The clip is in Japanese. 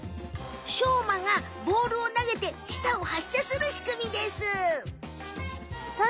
しょうまがボールをなげて舌を発射するしくみです！